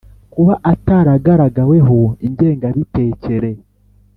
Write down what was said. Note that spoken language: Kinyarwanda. Kuba ataragaragaweho ingengabitekere